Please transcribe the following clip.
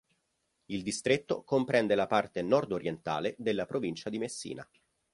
Il distretto comprende la parte nord-orientale della provincia di Messina.